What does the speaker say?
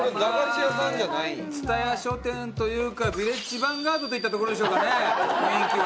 蔦屋書店というかヴィレッジヴァンガードといったところでしょうかね雰囲気は。